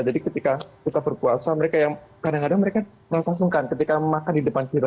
jadi ketika kita berpuasa mereka yang kadang kadang mereka merasa sungkan ketika makan di depan kita